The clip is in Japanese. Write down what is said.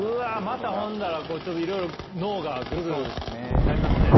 またほんだらちょっといろいろ脳がグルグルなりますね。